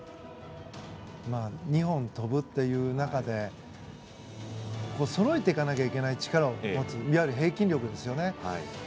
２本飛ぶという中でそろえていかなきゃいけない力いわゆる、平均力ですよね。